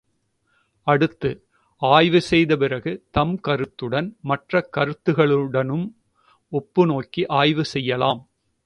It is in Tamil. அடுத்து, ஆய்வு செய்த பிறகு தம் கருத்துடனும் மற்ற கருத்துக்களுடனும் ஒப்பு நோக்கி ஆய்வு செய்யலாம்.